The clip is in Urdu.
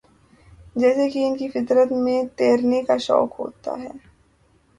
جیسے کہ ان کی فطر ت میں تیرنے کا شوق ہوتا ہے